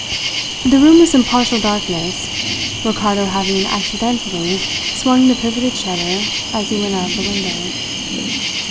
The room was in partial darkness, Ricardo having accidentally swung the pivoted shutter as he went out of the window.